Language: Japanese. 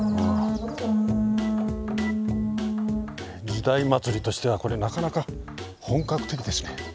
時代祭りとしてはこれなかなか本格的ですね。